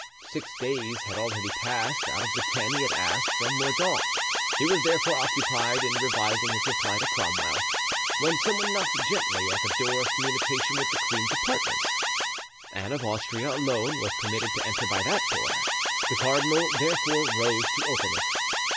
Six days had already passed out of the ten he had asked from Mordaunt; he was therefore occupied in revising his reply to Cromwell, when some one knocked gently at the door of communication with the queen's apartments. Anne of Austria alone was permitted to enter by that door. The cardinal therefore rose to open it.